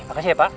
makasih ya pak